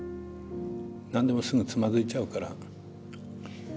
何でもすぐつまずいちゃうから。